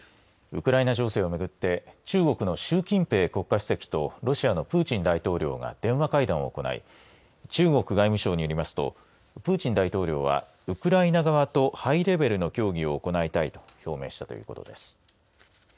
ウクライナ情勢をめぐって中国の習近平国家主席とロシアのプーチン大統領が電話会談を行い中国外務省によりますとプーチン大統領はウクライナ側とハイレベルの協議を行いたいと表明したということです。